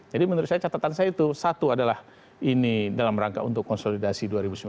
jadi menurut saya catatan saya itu satu adalah ini dalam rangka untuk konsolidasi dua ribu sembilan belas